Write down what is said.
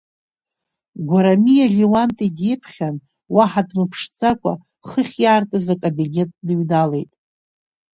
Гәарамиа Леуанти диԥхьан, уаҳа дмыԥшӡакәа, хыхь иаартыз акабинет дныҩналеит.